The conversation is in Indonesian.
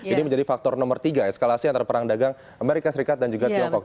ini menjadi faktor nomor tiga eskalasi antara perang dagang amerika serikat dan juga tiongkok